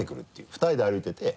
二重で歩いてて。